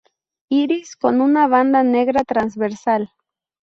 Iris con una banda negra transversal.